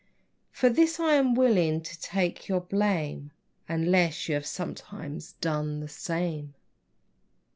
For this I am willing to take your blame Unless you have sometimes done the same.